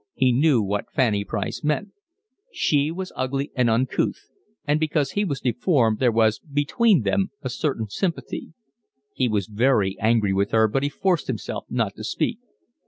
He knew what Fanny Price meant. She was ugly and uncouth, and because he was deformed there was between them a certain sympathy. He was very angry with her, but he forced himself not to speak.